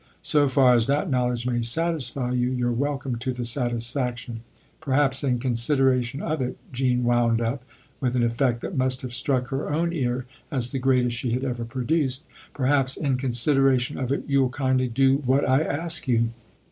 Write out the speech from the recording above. So far as that knowledge may satisfy you, you're welcome to the satisfaction. Perhaps in consideration of it," Jean wound up, with an effect that must have 223 THE OTHER HOUSE struck her own ear as the greatest she had ever produced " perhaps in consideration of it you'll kindly do what I ask you."